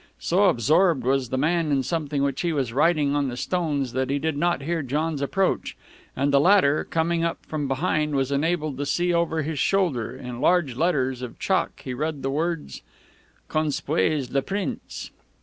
So absorbed was the man in something which he was writing on the stones that he did not hear John's approach, and the latter, coming up from behind was enabled to see over his shoulder. In large letters of chalk he read the words: _"Conspuez le Prince."